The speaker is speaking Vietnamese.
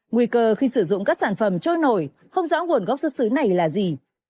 nguy cơ khi sử dụng các sản phẩm trôi nổi không rõ nguồn gốc xuất xứ này là gì